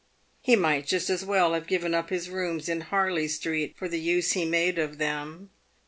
He might just as well have given up his rooms in Harley street for the use he made of them.